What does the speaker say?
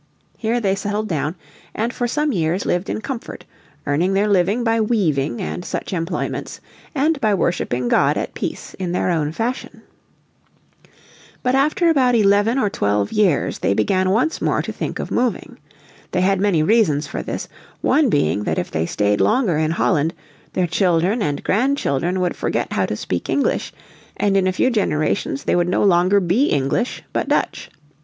Here they settled down and for some years lived in comfort, earning their living by weaving and such employments, and worshipping God at peace in their own fashion. But after about eleven or twelve years they began once more to think of moving. They had many reasons for this, one being that if they stayed longer in Holland their children and grandchildren would forget how to speak English, and in a few generations they would no longer be English, but Dutch.